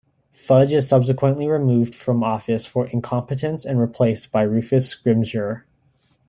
Fudge is subsequently removed from office for incompetence and replaced by Rufus Scrimgeour.